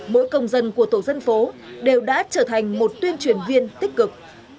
mỗi công dân của tổ dân phố đều đã trở thành một tuyên truyền viên tích cực